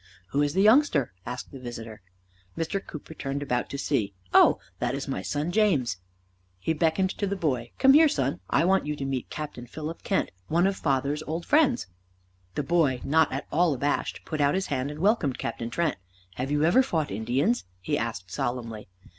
"Who is the youngster?" asked the visitor. Mr. Cooper turned about to see. "Oh, that's my son James." He beckoned to the boy. "Come here, son. I want you to meet Captain Philip Kent, one of father's old friends." The boy, not at all abashed, put out his hand, and welcomed Captain Kent. "Have you ever fought Indians?" he asked solemnly.